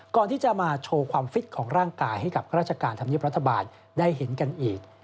ก่อนที่จะมาโชว์ความฟิตของร่างกายให้กับข้าราชการธรรมเนียบรัฐบาลได้เห็นกันอีก